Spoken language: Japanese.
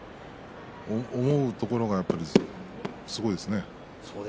思うところがやっぱりすごいですね。